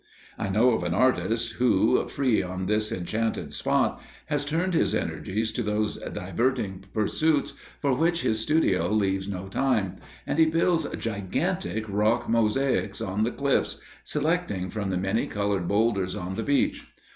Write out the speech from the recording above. I know of an artist, who, free on this enchanted spot, has turned his energies to those diverting pursuits for which his studio leaves no time, and he builds gigantic rock mosaics on the cliffs, selecting from the many coloured boulders on the beach.